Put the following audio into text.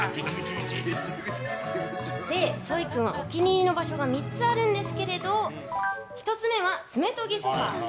で、ソイ君はお気に入りの場所が３つあるんですけれど１つ目は爪研ぎソファ。